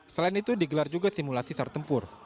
selain itu digelar juga simulasi ser tempur